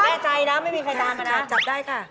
แน่ใจนะไม่มีใครตามมานะจับได้ค่ะ